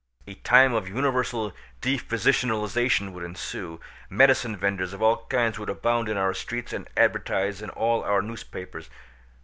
A time of universal dephysicalisation would ensue; medicine vendors of all kinds would abound in our streets and advertise in all our newspapers.